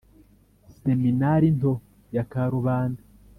Seminari Nto ya Karubanda